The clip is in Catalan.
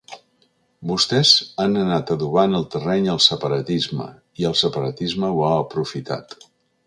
Vostès han anat adobant el terreny al separatisme, i el separatisme ho ha aprofitat.